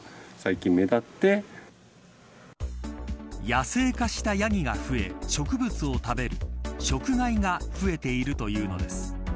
野生化したヤギが増え植物を食べる食害が増えているというのです。